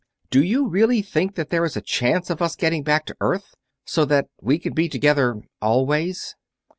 "Do you really think that there is a chance of us getting back to the Earth, so that we can be together ... always?"